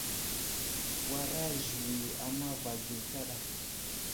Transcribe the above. Wara ziwi a mava ge kaɗa.